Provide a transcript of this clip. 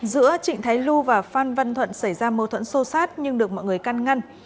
giữa trịnh thái lu và phan văn thuận xảy ra mối thuẫn sâu sát nhưng được mọi người căn ngăn